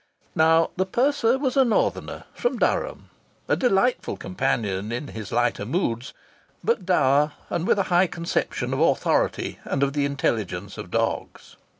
Now the purser was a northerner, from Durham, a delightful companion in his lighter moods, but dour, and with a high conception of authority and of the intelligence of dogs.